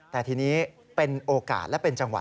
แต่ทีนี้เป็นโอกาสและเป็นจังหวะ